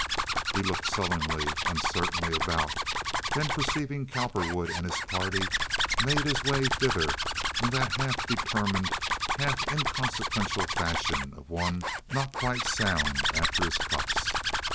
He looked sullenly, uncertainly about; then, perceiving Cowperwood and his party, made his way thither in the half determined, half inconsequential fashion of one not quite sound after his cups.